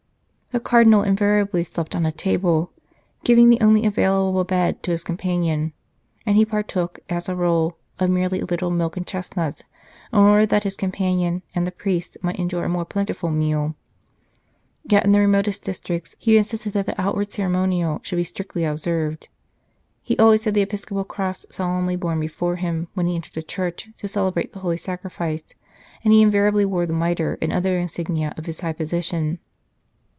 The Cardinal invariably slept on a table, giving the only available bed to his companion, and he partook, as a rule, of merely a little milk and chestnuts in order that this com panion and the priest might enjoy a more plentiful meal. Yet in the remotest districts he insisted that the outward ceremonial should be strictly observed. He always had the episcopal cross solemnly borne before him when he entered a church to celebrate the Holy Sacrifice, and he invariably wore the mitre and other insignia of his high position.